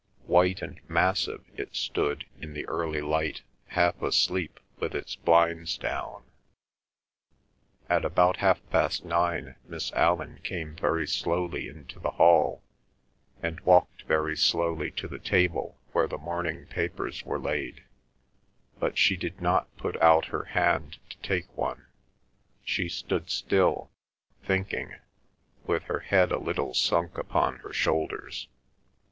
White and massive it stood in the early light, half asleep with its blinds down. At about half past nine Miss Allan came very slowly into the hall, and walked very slowly to the table where the morning papers were laid, but she did not put out her hand to take one; she stood still, thinking, with her head a little sunk upon her shoulders.